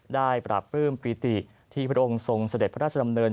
ปราบปลื้มปิติที่พระองค์ทรงเสด็จพระราชดำเนิน